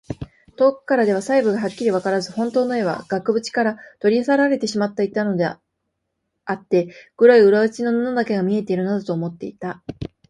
遠くからでは細部がはっきりわからず、ほんとうの絵は額ぶちから取り去られてしまったのであって、黒い裏打ちの布だけが見えているのだ、と思っていた。